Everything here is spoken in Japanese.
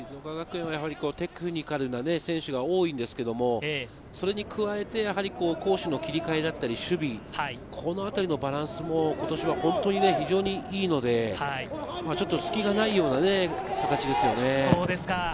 やはりテクニカルな選手が多いんですけれど、それに加えて攻守の切り替えだったり、守備、このあたりのバランスも今年は本当に非常にいいので、隙がないような形ですよね。